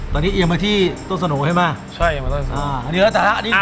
ตอนนี้เอียงมาที่ต้นสโหนไหมใช่เอียงมาที่ต้นสโหนอ่านี่แหละ